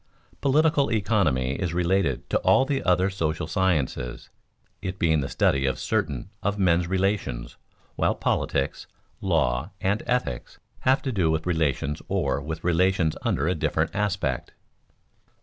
_Political economy is related to all the other social sciences, it being the study of certain of men's relations, while politics, law, and ethics have to do with other relations or with relations under a different aspect.